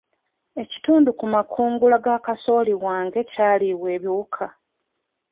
Ekitundu ku makungula ga kasooli wange kyalibwa ebiwuka.